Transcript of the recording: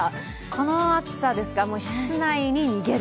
この暑さですか、室内に逃げる。